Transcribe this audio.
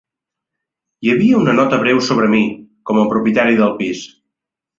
Hi havia una nota breu sobre mi, com a propietari del pis.